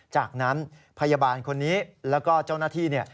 จากนั้นพยาบาลคนนี้แล้วก็เจ้าหน้าที่เนี่ย